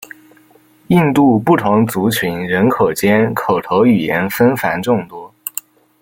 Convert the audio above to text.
印度不同族群人口间口头语言纷繁众多。